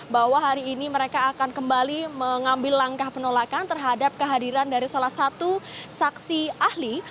bahwa hari ini mereka akan kembali mengambil langkah penolakan terhadap kehadiran dari salah satu saksi ahli